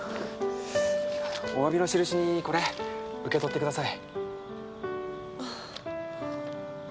お詫びの印にこれ受け取ってください。